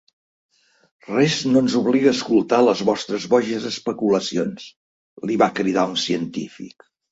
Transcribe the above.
"Res no ens obliga a escoltar les vostres boixes especulacions", li va cridar un científic.